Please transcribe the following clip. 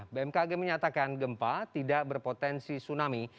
bmkg menyatakan gempa tidak berpotensi tsunami